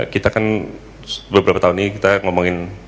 kita kan beberapa tahun ini kita ngomongin